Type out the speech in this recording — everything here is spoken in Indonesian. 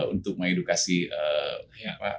untuk mengedukasi anak sekolah itu